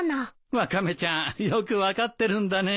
ワカメちゃんよく分かってるんだねえ。